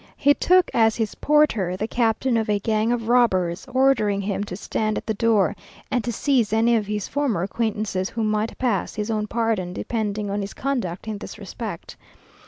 He took as his porter the captain of a gang of robbers, ordering him to stand at the door, and to seize any of his former acquaintances who might pass, his own pardon depending on his conduct in this respect.